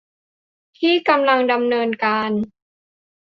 ที่กำลังดำเนินการ